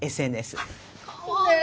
かわいい。